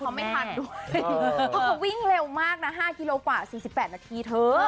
เพราะวิ่งเร็วมากนะ๕กิโลกว่า๔๘นาทีเถอะ